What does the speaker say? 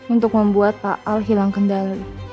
untuk membuat pak al hilang kendali